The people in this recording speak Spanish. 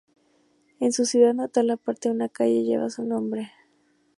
En su ciudad natal, parte de una calle lleva su nombre.